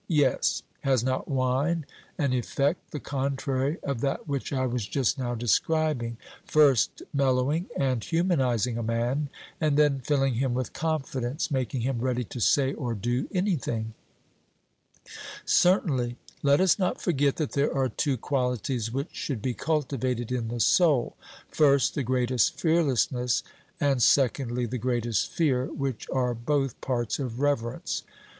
Yes; has not wine an effect the contrary of that which I was just now describing, first mellowing and humanizing a man, and then filling him with confidence, making him ready to say or do anything? 'Certainly.' Let us not forget that there are two qualities which should be cultivated in the soul first, the greatest fearlessness, and, secondly, the greatest fear, which are both parts of reverence.